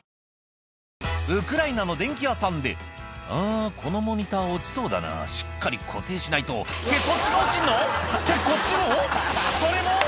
ウクライナの電器屋さんで「あこのモニター落ちそうだなしっかり固定しないと」ってそっちが落ちんの？ってこっちも？